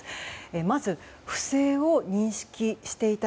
まず、不正を認識していた。